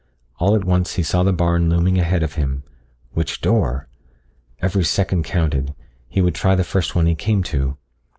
All at once he saw the barn looming ahead of him. Which door? Every second counted; he would try the first one he came to.